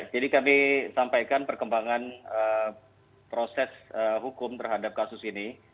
jadi kami sampaikan perkembangan proses hukum terhadap kasus ini